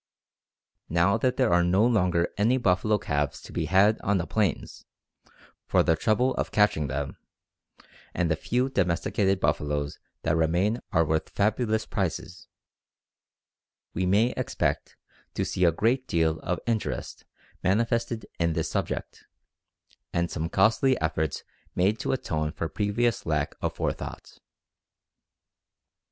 Now that there are no longer any buffalo calves to be had on the plains for the trouble of catching them, and the few domesticated buffaloes that remain are worth fabulous prices, we may expect to see a great deal of interest manifested in this subject, and some costly efforts made to atone for previous lack of forethought.